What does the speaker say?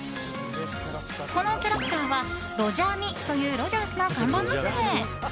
このキャラクターはろぢゃミというロヂャースの看板娘。